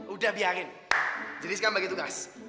udah biarin jeniskan bagi tugas